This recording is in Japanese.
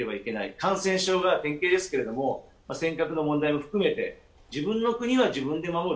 感染症が典型ですけど、尖閣の問題も含めて自分の国は自分で守る。